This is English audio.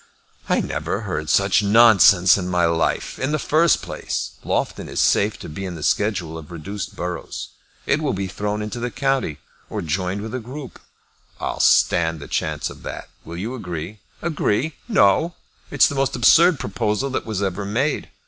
"I never heard such nonsense in my life. In the first place, Loughton is safe to be in the schedule of reduced boroughs. It will be thrown into the county, or joined with a group." "I'll stand the chance of that. Will you agree?" "Agree! No! It's the most absurd proposal that was ever made.